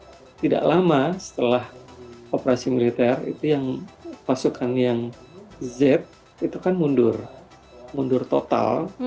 karena tidak lama setelah operasi militer itu yang pasukan yang z itu kan mundur mundur total